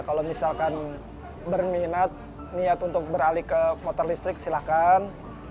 kalau misalkan berminat niat untuk beralih ke motor listrik silahkan